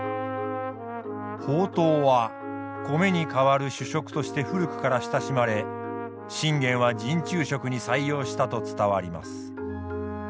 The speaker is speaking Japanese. ほうとうは米に代わる主食として古くから親しまれ信玄は陣中食に採用したと伝わります。